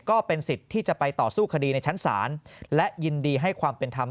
ก็เป็นสิทธิ์ที่จะไปต่อสู้คดีในชั้นศาลและยินดีให้ความเป็นธรรม